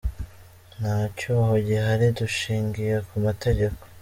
Nta cyuho gihari dushingiye ku mategeko.